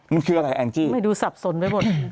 มันคืออะไรแองจี้ไม่ดูสับสนไปหมด